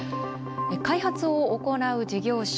開発を行う事業者